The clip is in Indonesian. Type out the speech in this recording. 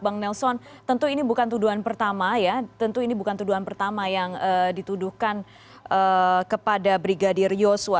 bang nelson tentu ini bukan tuduhan pertama ya tentu ini bukan tuduhan pertama yang dituduhkan kepada brigadir yosua